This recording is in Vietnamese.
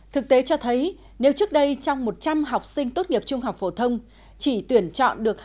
thực tế cho thấy nếu trước đây trong một trăm linh học sinh tốt nghiệp trung học phổ thông chỉ tuyển chọn được hai mươi năm đến ba mươi em